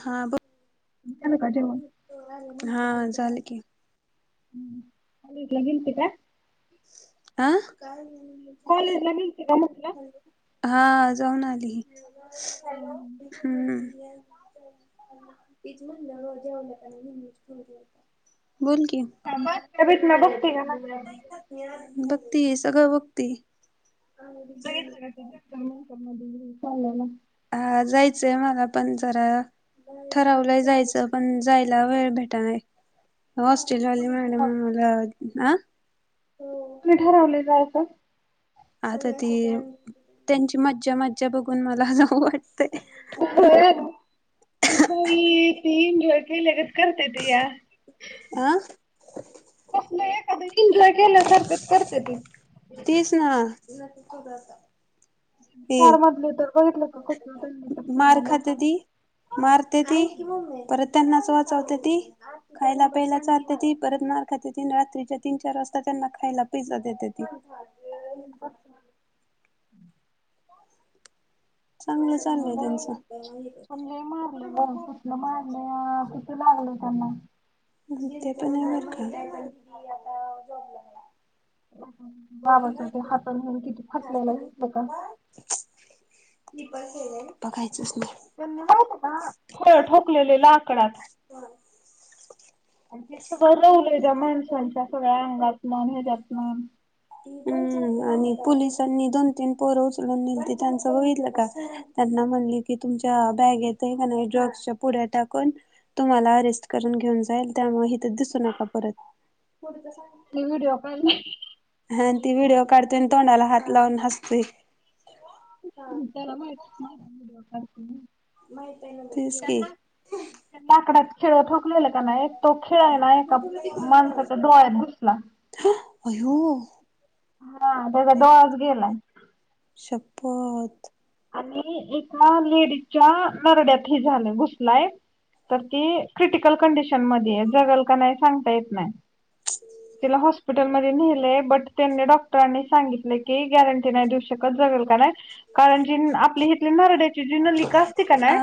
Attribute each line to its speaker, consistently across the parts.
Speaker 1: हा
Speaker 2: झालं का जेवण?
Speaker 1: हा झालं की
Speaker 2: हम्म काॅलेजला गेलती का
Speaker 1: आं
Speaker 2: कॉलेजला गेलती का म्हटलं?
Speaker 1: हा जाऊन आली हम्म पीच म नळजेव पण यज बोल कि
Speaker 2: थांबा तबितला बघती का ना
Speaker 1: बघती सगळं बघती
Speaker 2: जाईन म्हणलं ती जास्त माणसांमध्ये चालयलं
Speaker 1: हा जायचंय मला पण जरा ठरावलं जायचं पण जायला वेळ भेटा नाही हॉस्टेल वाली
Speaker 2: कोणी ठरव
Speaker 1: मॅडमला आ
Speaker 2: तु ठरवलेल होत
Speaker 1: आता ती त्यांची मज्जा मज्जा बघून मला जाऊ वाटतय
Speaker 2: हो बाई त्या इंजाॅय केल्यागत करत्या त्या
Speaker 1: आं
Speaker 2: कसलं एखाद एन्जॉय केल्यासारखं करत्या की
Speaker 1: हा
Speaker 2: चार
Speaker 1: यी
Speaker 2: मधले तर बघितलं का कसलं त्यांनी तर
Speaker 1: मार
Speaker 2: केला लोकांनी
Speaker 1: खात्याती मारत्याती परत त्यांनाच वाचवत्याती खायला प्यायला चारत्याती परत मार खात्याती अन् रात्रीच्या तीन चार वाजता त्यांना खायला पिझ्झा देत्याती चांगलं
Speaker 2: कसलं
Speaker 1: चाललंय त्यांचं
Speaker 2: बाई बया किती लागल त्यांना
Speaker 1: ते त नाही बर का
Speaker 2: बाबाच ते हातात घेऊन किती फाटल्याल घेतलं का
Speaker 1: बघायचंच नाही
Speaker 2: त्यांनी नव्हतं हो ठोकलेलेल लाकडात
Speaker 1: हम्म
Speaker 2: ते सगळं रवलय त्या माणसांच्या सगळ्या अंगातन अन् हेज्यातन
Speaker 1: हम्म आणि पोलिसांनी दोन तीन पोरं उचलून नीलती त्यांचं बघितलं का त्यांना म्हणले की तुमच्या बॅगेत आहे का नाही ड्रग्सच्या पुढ्या टाकून तुम्हाला अरेस्ट करून घेऊन जाईल त्यामुळे इथ दिसू नका परत पुढचं सांगा
Speaker 2: ते व्हडिओ पाहिला नाही
Speaker 1: हा अन् ते व्हिडिओ काढतोय आणि तोंडाला हात लावून हसतोय
Speaker 2: त्याला माहीतच नव्हत व्हिडिओ काढत्यात
Speaker 1: माहितेय नव तेच की
Speaker 2: त्या लाकडाच खिळ ठोकलेलं त्याना एक तो खिळा हाय ना एका माणसाच्या डोळ्यात घुसला
Speaker 1: अयो
Speaker 2: हा त्याचा डोळाच गेलाय
Speaker 1: शपथ
Speaker 2: आणि एका लेडीजच्या नरड्यात हे झालं घुसलाय तर ती क्रिटिकल कंडिशन मध्ये आहे जगल का नाही सांगता येत नाही
Speaker 1: [inaudible]
Speaker 2: तिला हॉस्पिटलमध्ये नेलयं, बट, त्यांनी, डॉक्टरांनी सांगितलंय की, गॅरंटी नाही देऊ शकत जगल का नाय,, आपली, हितली, नरड्याची, जी नलिका असती का नाय,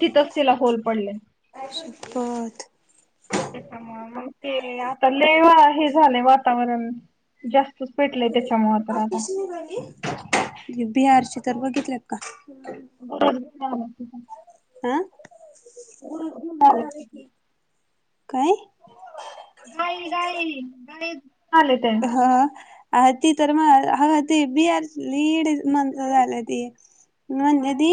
Speaker 2: तिथचं तिला होल पडलयं.
Speaker 1: आई शप्पथ!
Speaker 2: हा, मंग ते, आता, लय हे झालयं वातावरण,, जास्तच पेटलंय, त्याच्यामुळं तर आता,
Speaker 1: बिहारची तर, बघितलेत का?
Speaker 2: गुरूच घेऊन आल्यात ती पण,
Speaker 1: हा
Speaker 2: गुरूच घेऊन आल्यात ती पण,,
Speaker 1: काय?
Speaker 2: गाई, गाई, गाईच,,
Speaker 1: हा,, आ, ती तर मग, हा, ती बिहारची, लय येडी माणसं झाल्याती. म्हटलं ती,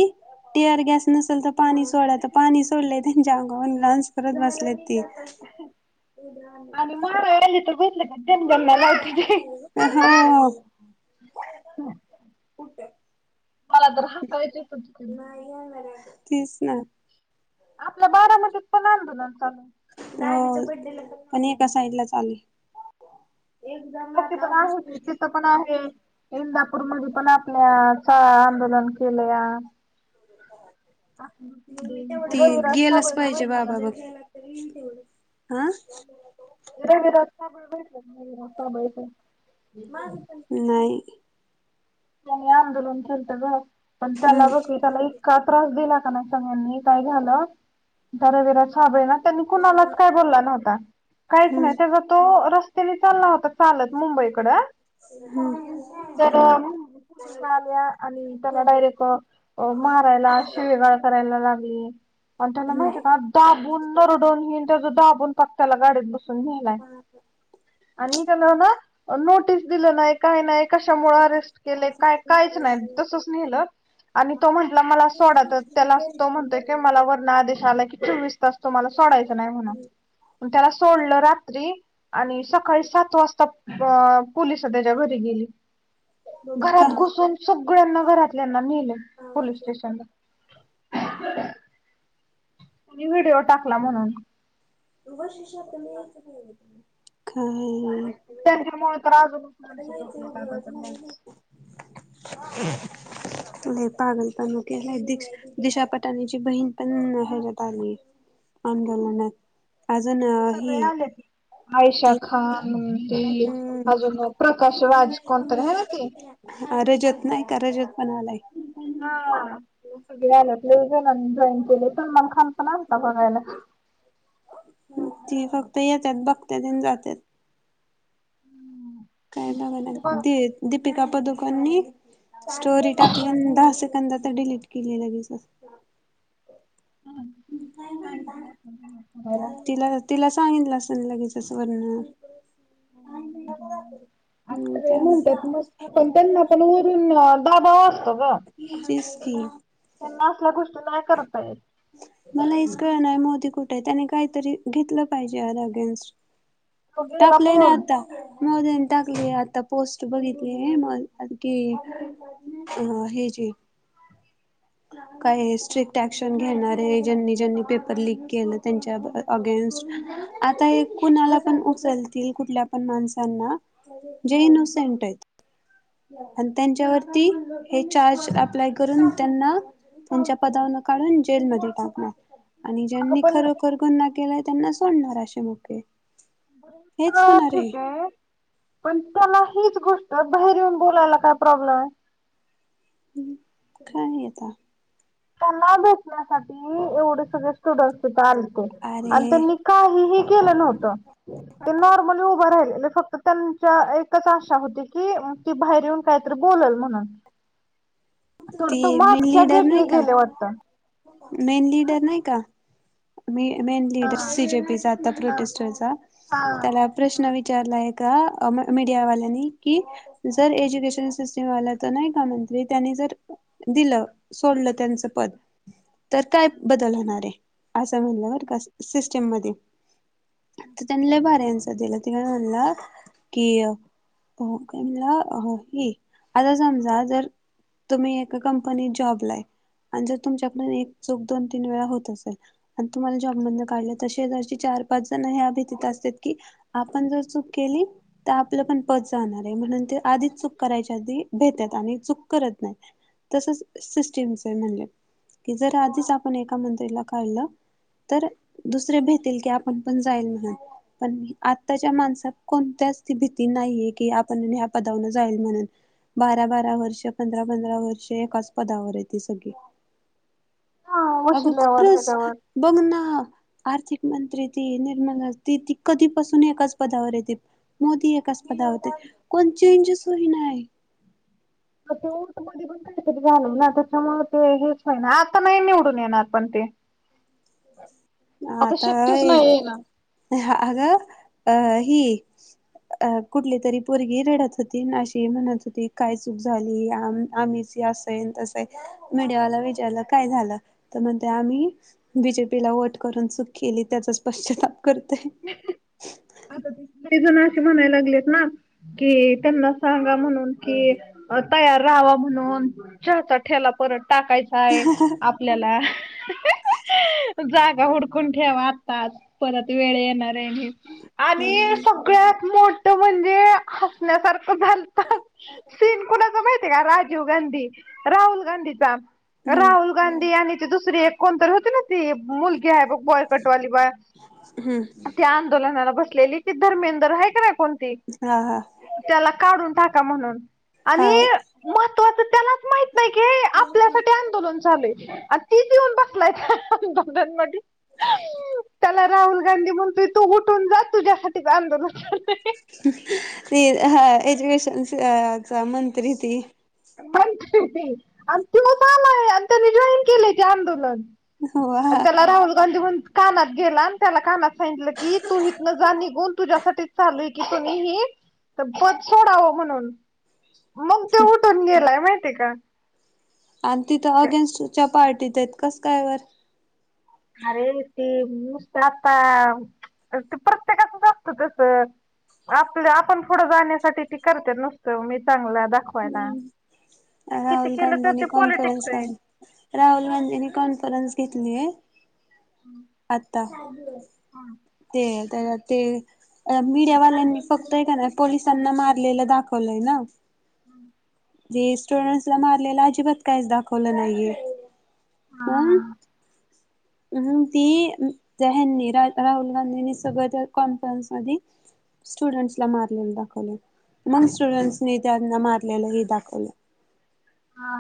Speaker 1: टीअर गॅस नसल तर,, पाणी सोडा, तर पाणी सोडलयं त्यांच्या अंगाहून, डांस करत बसल्यात ती.
Speaker 2: आणि, माराय आलीत तर, घोसले की नाय,, तन गोणला, लावते की, मम्मा,
Speaker 1: हो
Speaker 2: मला तर हसाय येतयं, खुदखुदुन.
Speaker 1: तेच ना,
Speaker 2: आपल्या बारामतीत पण, आंदोलन चालू आहे.
Speaker 1: हो, पण एका साइडला चालु आहे. एकदम
Speaker 2: ओके
Speaker 1: आता, आगच पेटील.
Speaker 2: इंदापूर मधे, पण आपल्या, चा, आंदोलन केलया.
Speaker 1: ती,
Speaker 2: रविराज
Speaker 1: गेलाच
Speaker 2: साबळेचं
Speaker 1: पाहिजे,
Speaker 2: भेटलं का
Speaker 1: बाबा बघं. आ,
Speaker 2: [unintelligible]
Speaker 1: नाही,
Speaker 2: त्यांनी आंदोलन केलत गं, पण त्याला,
Speaker 1: हम्म
Speaker 2: बघ त्याला एक का त्रास, दिला का नाही सगळ्यांनी, काय झाालं, जरा, जरा छाबळेला त्यानी कुणालाच काय बोलला नव्हता, काहीच नाही,
Speaker 1: हम्म
Speaker 2: तेजा तो, रस्त्याने चालला होता. चालत मुंबईकडं,
Speaker 1: हम्म
Speaker 2: तर, त्या आल्या, आणि त्याला डायरेक्ट अ, मारायला, शिवीगाळ करायला लागली. आणि, त्याला
Speaker 1: हम्म
Speaker 2: माहिती आहे का? दाबून, नरड, हिन त्याच दाबून, पाक त्याला गाडीत बसवलं. नेलाय, आणि त्याला ना, नोटीस दिलं नाही, काय नाय, कशामुळे अरेस्ट केलंय काय, काहीच नाही, तसंच नेलं. आणि, तो म्हंटला मला सोडा, तर त्यालाच तो म्हणतोय की, मला वरन आदेश आला की, चोवीस, तसं, तुम्हाला सोडायच नाही म्हणून, त्याला सोडलं रात्री. आणि सकाळी सात वाजता, अ, पोलीस त्याच्या घरी गेली. घरात
Speaker 1: का
Speaker 2: घुसून, सगळ्यांना, घरातल्यांना नेलं, पोलीस स्टेशनला. त्यांनी व्हिडिओ, टाकला म्हणून.
Speaker 1: [unintelligible]
Speaker 2: त्यांच्यामुळे तर, अजून,
Speaker 1: [unintelligible] लई पागल पणा केलाय, दि, दिशा पटाणीची बहीण पण, ह्याच्यात आली. आंदोलनात. अजून
Speaker 2: सगळी
Speaker 1: ही
Speaker 2: आलाती, आयशा
Speaker 1: ती
Speaker 2: खान नं ती
Speaker 1: हम्म
Speaker 2: अजून प्रकाश राज कोणतरी आहे ना ते.
Speaker 1: अ रजत नाही का रजत पण आलाय.
Speaker 2: हा सगळी आल्यातं लई जणाणी जाॅईन केलंय, सनमान खान पण आलता बघायला.
Speaker 1: ती फक्त येत्यांत बघत्यात आणि जात्यात.
Speaker 2: [inaudible]
Speaker 1: काय नावानं दी-दीपिका पदुकोननी स्टोरी टाकली अन दहा सेकंदात त डिलीट केली लगेच. अ काय म्हणता,
Speaker 2: बघायला
Speaker 1: तिला. तिला सांगितलं असंल लगेचच वरणं. हम्म
Speaker 2: आता जाईल म्हणत्यांत मस
Speaker 1: त्या
Speaker 2: पण त्यांना पण वरून दबाव असतो ग,
Speaker 1: तेच की
Speaker 2: त्यांना असल्या गोष्टी नाही करता येत.
Speaker 1: मला हेच कळणांय मोदी कुठे आहं, त्यानी काहीतरी घेतलं पाहिजे याला अगेन्स्ट
Speaker 2: तो गेला
Speaker 1: टाकलंय ना
Speaker 2: पळून
Speaker 1: आता. मोदीनी टाकली आहे आता पोस्ट बघितली मो आहं की अ हेजी काय हे स्ट्रिक ॲक्शन घेणारे ज्यांनी ज्यांनी पेपर लीक केलं त्यांच्या अगेन्स्ट आता हे कुणाला पण उचलतील कुठल्या पण माणसांना जे इनोसेंट आहेत. आणि त्यांच्यावरती हे चार्ज अप्लाय करून त्यांना त्यांच्या पदावरून काढून जेलमध्ये टाकणार आणि
Speaker 2: अगं
Speaker 1: ज्यांनी
Speaker 2: पण
Speaker 1: खरं खर गुन्हा केलाय त्यांना सोडणार असे मोकळे
Speaker 2: अ ठिक हे. पण त्याला हीच गोष्ट बाहेर येऊन बोलायला काय प्रॉब्लेम आहे.
Speaker 1: हूं काय नही येता.
Speaker 2: त्याना भेटण्यासाठी एवढे सगळे स्टुडंटसं तीथ आलते आण
Speaker 1: अरे
Speaker 2: तुम्ही काहीही केलं नव्हतं. ते नॉर्मली उभं राहिलेले, फक्त त्यांच्या एकच आशा होती की. की भायर येऊन काहीतरी बोललं म्हन, तर तो
Speaker 1: ती मेन
Speaker 2: मागच्यां
Speaker 1: लीडर
Speaker 2: गेट
Speaker 1: नाही का
Speaker 2: होत.
Speaker 1: मेन लीडर नाही का? मी main leader C J P चा आता
Speaker 2: हा.
Speaker 1: प्रोटेस्टरचा त्याला प्रश्न विचारला एका मीडियावाल्यांनी कि? जर एज्युकेशन सिस्टम वाल्या त नाही का म्हतली त्यांनी जर दिलं सोडलं त्यांचं पद. तर त्यात बदल होणार आहे असं म्हणला बरं का सिस्टीम मध्ये. त त्यांनी लयी भारी आन्सर दिला ति काय म्हणला की हो काय म्हनला हा ही आता समजा जर तुम्ही एका कंपनीत जॉब ला हे, आणि जर तुमच्याकडून एक चूक दोन तीन वेळा होत असल आण तुम्हाला जॉब मध काढलं त शेजारची चार पाच जण ह्या भीतीत असतात की आपण जर चूक केली? त आपलं पण पद जाणार आहे, म्हणून ते आधीच चूक करायच्या आधी भेतात, आणि चूक करत नाही. तसच सिस्टीमच आहे म्हणल, की जर आधीच आपण एका मंत्रीला काढलं तर दुसरे भेतील की, आपण पण जाईल म्हणून पण आत्ताच्या माणसात कोणत्याच ती भीती नाहीये की, आपण ह्या पदान जाईल म्हणून बारा- बारा वर्ष पंधरा- पंधरा वर्ष एकाच पदावर आहे ते सगळी.
Speaker 2: हा वशिल्यावर, हेच्यावर
Speaker 1: बघना आर्थिक मंत्री ती निर्मला त ती कधीपासून एकाच पदावर येते. मोदी एकाच पदावर ते, कोण चेंजेस होईना.
Speaker 2: असे हो [unintelligible] काहीतरी झालं ना त्याच्यामुळेळ ते हेच होई ना, आता नाही निवडून येणार पण ते. आता शक्यच नाही आहे ना.
Speaker 1: ह आग ही अ कुठली तरी पोरगी रडत होती. अशी म्हणत होती, काय चूक झाली? आम्ही असे- तस मीडियाला विचारल काय झालं? तर म्हण आम्ही बीजेपीला वोट करून चूक केली, त्याचा स्पष्टताप करतेय.
Speaker 2: ब [unintelligible] आता काही जण असे म्हणायला लागलेत ना कि त्यांना सांगा म्हणून कि, तयार राहावा म्हणून. चहा चा ठेला परत टाकायचाय आपल्याला. जागा उडकून ठेवा आताच, परत वेळ येणार आहे. आणि आणि
Speaker 1: हम्म
Speaker 2: सगळ्यात मोठ म्हणजे हसण्यासारखं म्हणताल सीन कुणाच माहित का राजीव गांधी, राहुल गांधीचा.
Speaker 1: हम्म.
Speaker 2: राहुल गांधी आणि ते दुसरी एक कोण तर होती ना ती मुलगी आहे बघ बॉयकटवाली बया,
Speaker 1: हम्म
Speaker 2: त्या आंदोलनाला बस असलेली ती धर्मेंदर आहे की नाय कोण ती?
Speaker 1: हा हा.
Speaker 2: त्याला काढून टाका म्हणून आणि
Speaker 1: हा
Speaker 2: महत्वाचं त्यालाच माहि कसाय की आपल्यासाठी
Speaker 1: हो [inaudible]
Speaker 2: ला राहुल गांधी म्हणतो तू उठून जा तुझ्यासाठी आंदोलन करते.
Speaker 1: ती हा एज्युकेशन मंत्री ती
Speaker 2: मंत्री व्हय, आणि त्योच आलाय आणि त्यांनी जॉईन केले ते आंदोलन. आणि
Speaker 1: वा
Speaker 2: त्याला राहुल गांधी म्ह कानात गेला आणि त्याला कानात सांगितलं की, तू इथनं जा निघून तुझ्यासाठीच चालूय की कोणीही तर पद सोडावं म्हणून, मग ते उठून गेलाय माहितीय का?
Speaker 1: आणि तिथं अगेन्स्टच्या पार्टीत आहेत. कसं कायबर?
Speaker 2: अरे ते नुसत आता, ते प्रत्येकाचच असत तस. आपल्या आपण पुढं जाण्यासाठी ती करते नुसतं, मी चांगलं दाखवायला. किती
Speaker 1: राहुल
Speaker 2: केलं तर
Speaker 1: गांधीने
Speaker 2: ते पॉलिटिक्स
Speaker 1: कॉन्फरन्स
Speaker 2: आहे
Speaker 1: आनली. राहुल गांधीनी कॉन्फरन्स घेतली आहे, आता.
Speaker 2: हम.
Speaker 1: ते त्याच्या ते मीडियावाल्यांनी फक्त आहे क पोलिसांना मारलेलं दाखवलंय ना
Speaker 2: हम्म.
Speaker 1: रे स्टुडं्स ला मारलेलं अजिबात काहीच दाखवलं नाहीये. हं म्हणून ती हेन्नी रा -राहुल गांधीनी सगळं त्या कॉन्फरन्स मधी स्टुडंट्सला मारलेलं दाखवलय. मग स्टुडंटसनी त्यांना मारलेलं हे दाखवलं.
Speaker 2: हा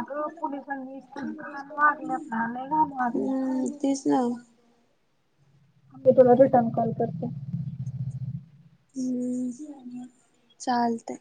Speaker 2: अग पोलिसांनी इतक घाण मारल्यात ना लई घाण मारल्यात.
Speaker 1: हम्म तेच ना व.
Speaker 2: थांब मी तुला रिटर्न कॉल करते.
Speaker 1: हम्म चालतय.